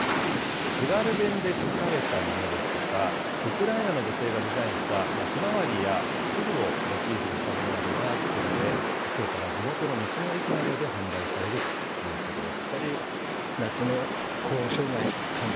津軽弁で書かれたものですとか、ウクライナの女性がデザインしたひまわりや鶴をモチーフにしたものなどが作られ、きょうから地元の道の駅などで販売されるということです。